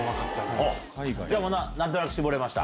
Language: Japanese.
もう何となく絞れました？